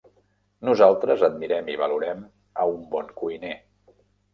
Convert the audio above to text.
Nosaltres admirem i valorem a un bon cuiner.